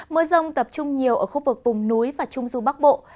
mưa rông tập trung nhiều ở khu vực vùng núi và trung du bắc bộ